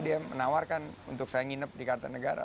dia menawarkan untuk saya nginep di kata negara